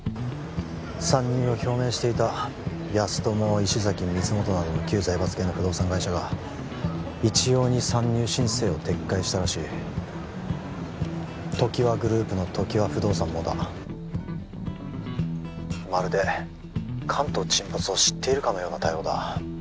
参入を表明していた安友石崎三元などの旧財閥系の不動産会社が一様に参入申請を撤回したらしい常盤グループの常盤不動産もだ☎まるで関東沈没を知っているかのような対応だ